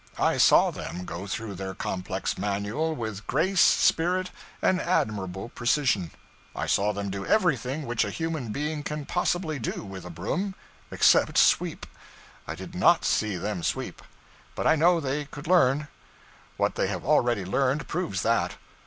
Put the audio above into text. I saw them go through their complex manual with grace, spirit, and admirable precision. I saw them do everything which a human being can possibly do with a broom, except sweep. I did not see them sweep. But I know they could learn. What they have already learned proves that.